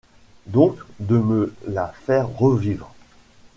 Donc de me la faire revivre…